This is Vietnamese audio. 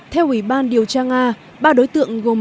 theo ủy ban điều tra nga ba đối tượng gồm